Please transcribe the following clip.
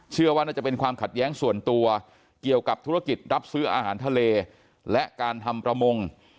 เชื่อว่าน่าจะเป็นความขัดแย้งส่วนตัวเกี่ยวกับธุรกิจรับซื้ออาหารทะเลและการทำประมง